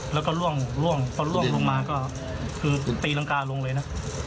แล้วก็ล่วงพอล่วงลงมาก็คือตีรังกาลงเลยนะ